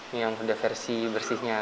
ini yang udah versi bersihnya